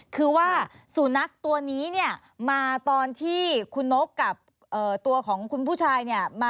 คือว่าสูนักตัวนี้เนี่ยมาตอนที่คุณนกกับตัวของคุณผู้ชายเนี่ย